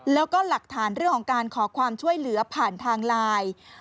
แล้วก็หลักฐานเรื่องของการขอความช่วยเหลือผ่านทางไลน์